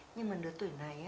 nhưng mà đứa tuổi này